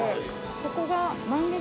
ここが。